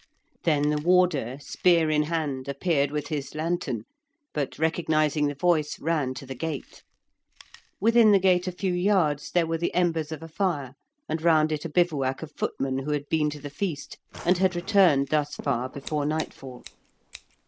Then the warder, spear in hand, appeared with his lantern, but recognising the voice, ran to the gate. Within the gate a few yards there were the embers of a fire, and round it a bivouac of footmen who had been to the feast, and had returned thus far before nightfall.